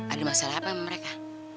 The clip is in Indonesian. ada masalah apa mereka